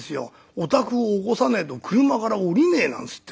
お宅を起こさねえと俥から降りねえなんつってんで。